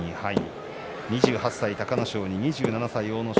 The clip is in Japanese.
２８歳隆の勝に２７歳の阿武咲。